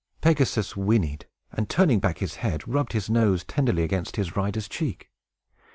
Pegasus whinnied, and, turning back his head, rubbed his nose tenderly against his rider's cheek.